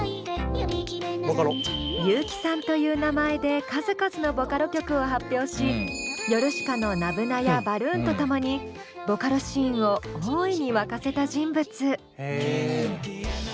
有機酸という名前で数々のボカロ曲を発表しヨルシカのｎ−ｂｕｎａやバルーンと共にボカロシーンを大いに沸かせた人物。